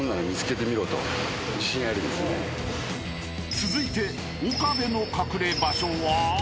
［続いて岡部の隠れ場所は？］